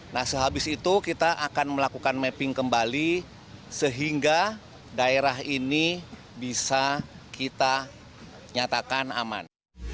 nah sehabis itu kita akan melakukan mapping kembali sehingga daerah ini bisa kita nyatakan aman